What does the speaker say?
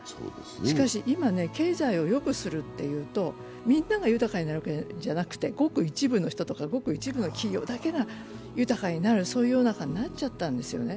しかし今、経済をよくするっていうと、みんなが豊かになるんじゃなくて、ごく一部の人とかごく一部の企業だけが豊かになる世の中になっちゃったんですね。